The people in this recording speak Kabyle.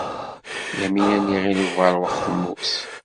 Yamina n Yiɣil Ubeṛwaq temmut.